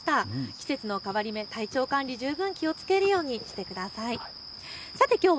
季節の変わり目、体調管理、十分気をつけるようにしてください。